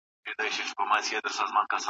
کُنت به پر مشاهده او تجربه ټينګار کاوه.